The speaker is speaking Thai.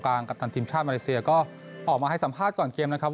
กัปตันทีมชาติมาเลเซียก็ออกมาให้สัมภาษณ์ก่อนเกมนะครับ